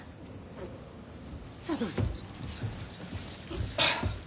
さあどうぞ。